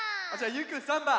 ゆうくん３ばん！